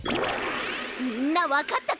みんなわかったか？